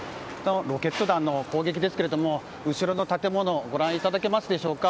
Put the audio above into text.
ロケット弾の攻撃ですが後ろの建物ご覧いただけますでしょうか。